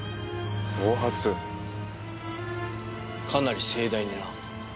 かなり盛大にな。